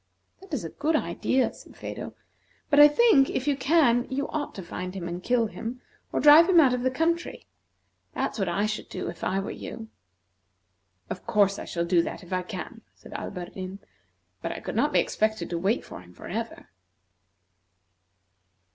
"That is a good idea," said Phedo, "but I think, if you can, you ought to find him and kill him, or drive him out of the country. That's what I should do, if I were you." "Of course I shall do that, if I can," said Alberdin; "but I could not be expected to wait for him forever."